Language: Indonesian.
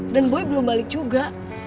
dan boy belum balik juga